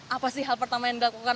apa sih hal pertama yang dilakukan